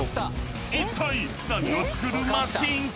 ［いったい何を作るマシンか？］